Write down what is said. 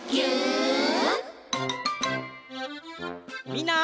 みんな。